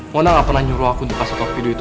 mona nggak pernah nyuruh aku untuklahplus video itu